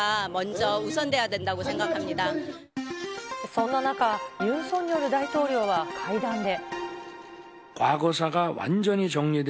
そんな中、ユン・ソンニョル大統領は会談で。